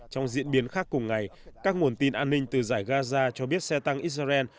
trong diễn biến khác cùng ngày các nguồn tin an ninh từ giải gaza cho biết xe tăng israel